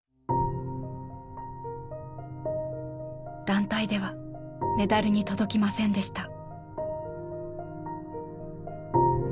団体ではメダルに届きませんでした。